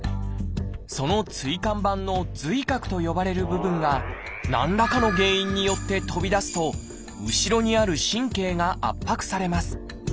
その椎間板の髄核と呼ばれる部分が何らかの原因によって飛び出すと後ろにある神経が圧迫されます。